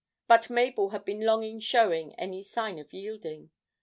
But Mabel had been long in showing any sign of yielding.